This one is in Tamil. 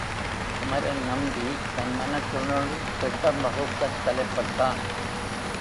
குமரன் நம்பி தன் மனத்தினுள் திட்டம் வகுக்கத் தலைப்பட்டான்.